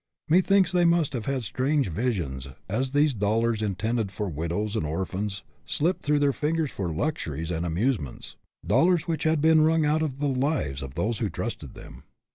Methinks they must have had strange visions as these sacred dol lars intended for widows and orphans slipped through their fingers for luxuries and amuse ments dollars which had been wrung out of the lives of those who trusted them.